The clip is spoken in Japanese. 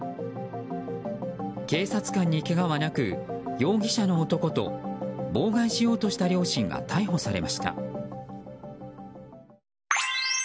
警察官にけがはなく容疑者の男と妨害しようとした両親が逮捕されました。